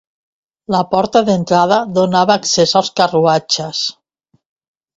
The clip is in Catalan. La porta d'entrada donava accés als carruatges.